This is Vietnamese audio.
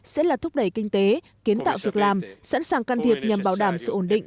sẽ là thúc đẩy kinh tế kiến tạo việc làm sẵn sàng can thiệp nhằm bảo đảm sự ổn định